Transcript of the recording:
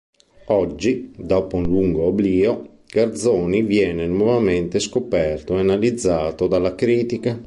Oggi, dopo un lungo oblio, Garzoni viene nuovamente scoperto e analizzato dalla critica.